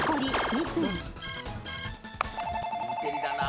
インテリだな。